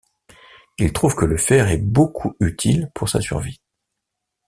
Il trouve que le fer est beaucoup utile pour sa survie.